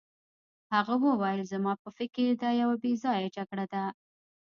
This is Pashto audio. هغه وویل زما په فکر دا یوه بې ځایه جګړه ده.